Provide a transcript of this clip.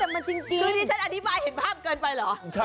อันนี้ฉันอธิบายเห็นภาพเกินไปเหรอ